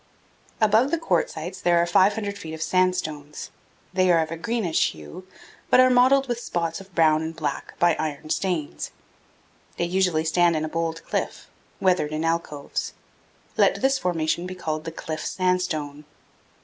Above the quartzites there are 500 feet of sandstones. They are of a greenish hue, but are mottled with spots of brown and black by iron stains. They usually stand in a bold cliff, weathered in alcoves. Let this formation be called the cliff sandstone.